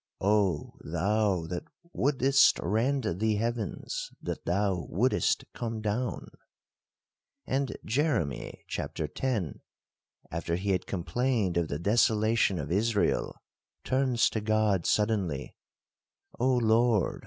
Oh, thou that wouldest rend the heavens, that thou wouldest come down, &c. And Jeremy (chap. X.), after he had complained of the desolation of Israel, turns to God suddenly, O Lord!